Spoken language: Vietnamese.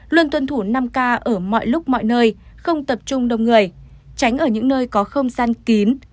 luôn tuân thủ năm k ở mọi lúc mọi nơi không tập trung đông người tránh ở những nơi có không gian kín